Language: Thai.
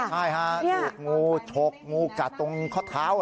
ใช่ค่ะงูฉกงูกัดตรงข้อเท้าอะนะฮะ